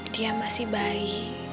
dia masih bayi